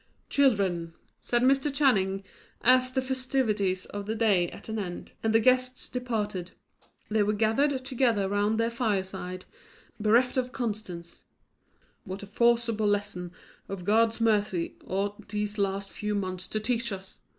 "Children," said Mr. Channing, as, the festivities of the day at an end, and the guests departed, they were gathered together round their fireside, bereft of Constance "what a forcible lesson of God's mercy ought these last few months to teach us!